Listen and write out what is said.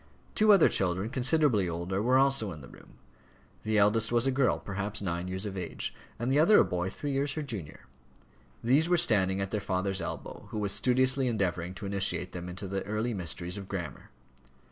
Two other children, considerably older, were also in the room. The eldest was a girl, perhaps nine years of age, and the other a boy three years her junior. These were standing at their father's elbow, who was studiously endeavouring to initiate them in the early mysteries of grammar.